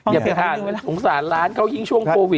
อย่าไปทานสงสารร้านเขายิ่งช่วงโควิด